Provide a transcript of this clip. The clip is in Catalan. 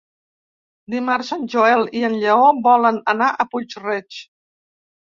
Dimarts en Joel i en Lleó volen anar a Puig-reig.